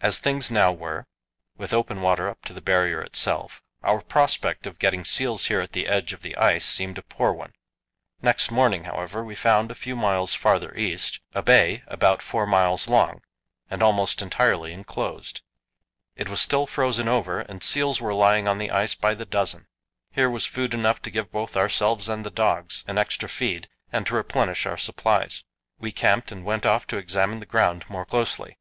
As things now were, with open water up to the Barrier itself, our prospect of getting seals here at the edge of the ice seemed a poor one. Next morning, however, we found, a few miles farther east, a bay about four miles long, and almost entirely enclosed. It was still frozen over, and seals were lying on the ice by the dozen. Here was food enough to give both ourselves and the dogs an extra feed and to replenish our supplies. We camped and went off to examine the ground more closely.